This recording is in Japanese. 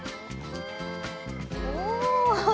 お！